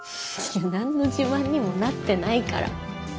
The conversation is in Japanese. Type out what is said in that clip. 何の自慢にもなってないから。